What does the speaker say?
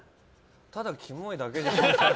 ただキモいだけじゃんって。